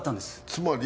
つまり？